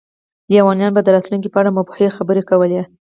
لیونیان به د راتلونکي په اړه مبهمې خبرې کولې.